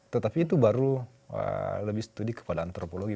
tetapi itu baru lebih studi kepada antropologi